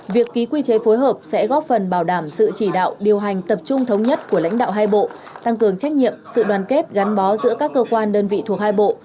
việc ký quy chế phối hợp sẽ góp phần bảo đảm sự chỉ đạo điều hành tập trung thống nhất của lãnh đạo hai bộ tăng cường trách nhiệm sự đoàn kết gắn bó giữa các cơ quan đơn vị thuộc hai bộ